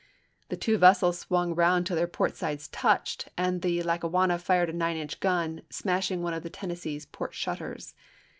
The two vessels swung round till their port sides touched, and the Lackawanna fired a 9 inch gun, smashing one of the Tennessee's port shutters.